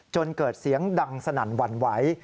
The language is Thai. จนเกิดเสียงดังสนั่นหวั่นไหว